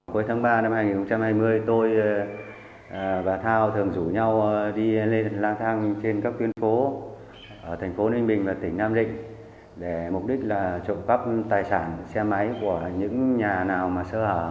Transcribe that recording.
cuối tháng ba năm hai nghìn hai mươi tôi và thao thường rủ nhau đi lên lang thang trên các tuyến phố ở thành phố ninh bình và tỉnh nam định để mục đích là trộm cắp tài sản xe máy của những nhà nào mà sơ hở